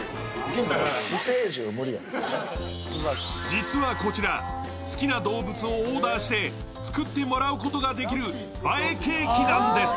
実はこちら、好きな動物をオーダーして作ってもらうことができる映えケーキなんです。